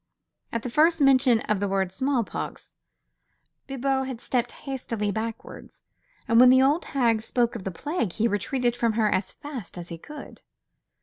At the first mention of the word small pox, Bibot had stepped hastily backwards, and when the old hag spoke of the plague, he retreated from her as fast as he could.